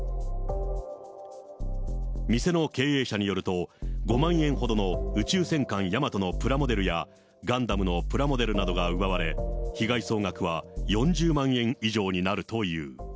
店の経営者によると、５万円ほどの宇宙戦艦ヤマトのプラモデルや、ガンダムのプラモデルなどが奪われ、被害総額は４０万円以上になるという。